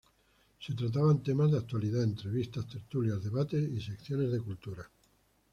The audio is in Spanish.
Se trataban temas de actualidad, entrevistas, tertulias, debates y secciones de cultura.